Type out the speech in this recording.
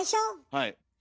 はい。